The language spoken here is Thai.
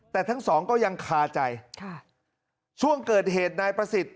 แต่ทั้งสองก็ยังคาใจค่ะช่วงเกิดเหตุนายประสิทธิ์